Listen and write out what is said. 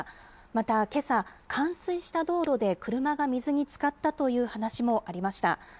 また、けさ、冠水した道路で車が水につかったという話もありました。